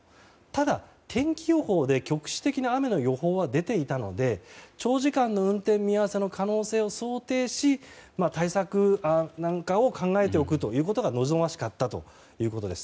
ただ、天気予報で局地的な雨の予報は出ていたので長時間の運転見合わせの可能性を想定し対策なんかを考えておくことが望ましかったということです。